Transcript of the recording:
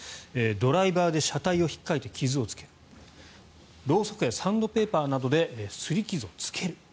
ドライバーで車体を引っかいて傷をつけるろうそくやサンドペーパーなどですり傷をつける。